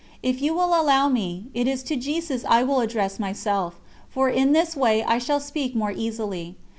If you will allow me, it is to Jesus I will address myself, for in this way I shall speak more easily.